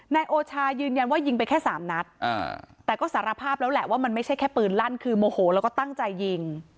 นายโอชายืนยันว่ายิงไปแค่สามนัดแต่ก็สารภาพแล้วแหละว่ามันไม่ใช่แค่ปืนลั่นคือโมโหแล้วก็ตั้งใจยิง